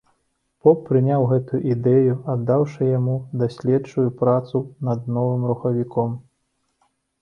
Поп прыняў гэтую ідэю, аддаўшы яму даследчую працу над новым рухавіком.